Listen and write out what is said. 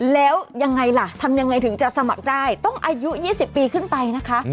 แล้วยังไงล่ะทำยังไงถึงจะสมัครได้ต้องอายุ๒๐ปีขึ้นไปนะคะ